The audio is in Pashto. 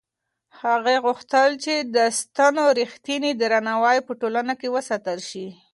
هغې غوښتل چې د سنتو رښتینی درناوی په ټولنه کې وساتل شي.